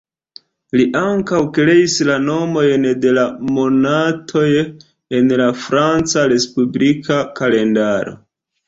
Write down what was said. Li ankaŭ kreis la nomojn de la monatoj en la Franca respublika kalendaro.